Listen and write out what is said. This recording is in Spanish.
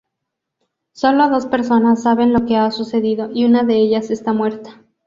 Solo dos personas saben lo que ha sucedido, y una de ellas está muerta.